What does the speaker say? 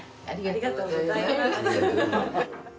ありがとうございます。